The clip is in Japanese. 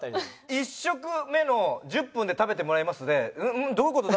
１食目の「１０分で食べてもらいます」で「んっ？どういう事だ？」